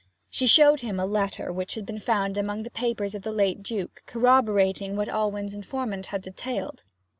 She showed him a letter which had been found among the papers of the late Duke, corroborating what Alwyn's informant had detailed.